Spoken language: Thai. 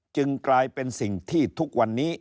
จึงกลายเป็นสิ่งที่ทุกวันนี้